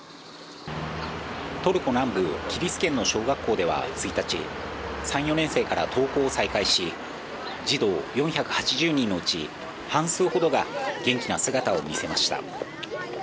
トルコ南部キリス県の小学校では１日、３４年生から登校を再開し、児童４８０人のうち半数ほどが元気な姿を見せました。